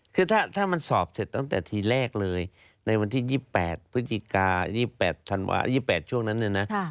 คือถ้ามันสอบเสร็จตั้งแต่ทีแรกเลยในวันที่๒๘พฤศจิกา๒๘ธันวา๒๘ช่วงนั้นเนี่ยนะ